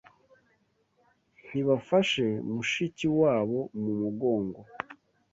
ntibafashe mushiki wa bo mu mugongo